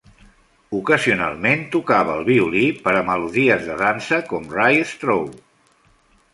Ocasionalment tocava el violí per a melodies de dansa com "Rye Straw".